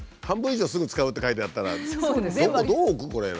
半分以上「すぐ使う」って書いてあったらどこ？